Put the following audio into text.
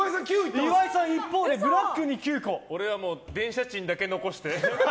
岩井さん、一方で俺は電車賃だけ残して。